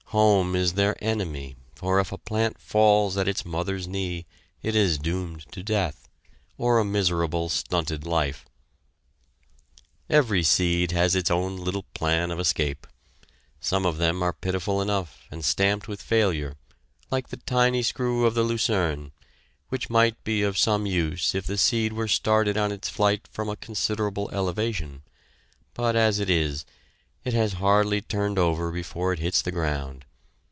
Home is their enemy, for if a plant falls at its mother's knee it is doomed to death, or a miserable stunted life. Every seed has its own little plan of escape. Some of them are pitiful enough and stamped with failure, like the tiny screw of the Lucerne, which might be of some use if the seed were started on its flight from a considerable elevation, but as it is, it has hardly turned over before it hits the ground.